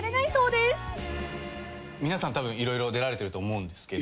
皆さんたぶん色々出られてると思うんですけど。